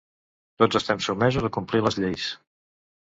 Tots estem sotmesos a complir les lleis